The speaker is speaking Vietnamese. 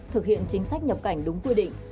thực hiện chính sách nhập cảnh đúng quy định